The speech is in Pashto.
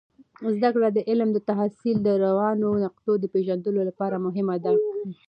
زده کړه د علم د تحصیل د روانو نقطو د پیژندلو لپاره مهمه ده.